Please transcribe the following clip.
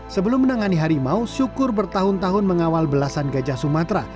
sebelum menangani harimau syukur bertahun tahun mengawal belasan gajah sumatera